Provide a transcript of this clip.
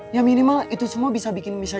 ya minimal itu semua bisa bikin bisa